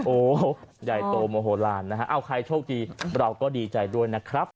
โอ้ใหญ่โตโมโหลานนะฮะเอาใครโชคดีเราก็ดีใจด้วยนะครับ